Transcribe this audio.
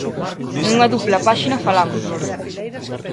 Nunha dupla páxina falamos.